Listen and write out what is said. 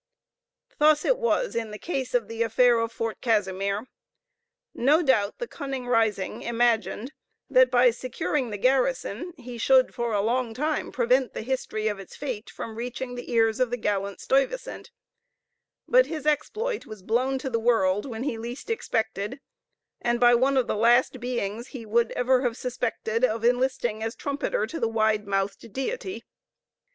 Thus it was in the case of the affair of Fort Casimir. No doubt the cunning Risingh imagined, that, by securing the garrison he should for a long time prevent the history of its fate from reaching the ears of the gallant Stuyvesant; but his exploit was blown to the world when he least expected, and by one of the last beings he would ever have suspected of enlisting as trumpeter to the wide mouthed deity.